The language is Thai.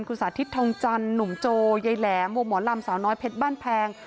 คุณสาธิตทองจันทร์หนุ่มโจยายแหลมวงหมอลำสาวน้อยเพชรบ้านแพง